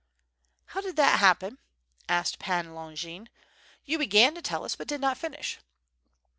"How did that happen?" asked Pan Longin, "you began to tell us, but did not finish."